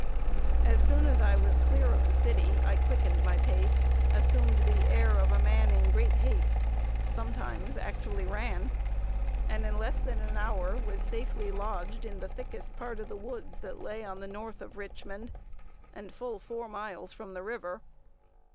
As soon as I was clear of the city I quickened my pace, assumed the air of a man in great haste, sometimes actually ran, and in less than an hour was safely lodged in the thickest part of the woods that lay on the North of Richmond, and full four miles from the river.